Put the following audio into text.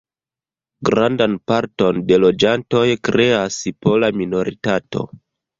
Grandan parton de loĝantoj kreas pola minoritato.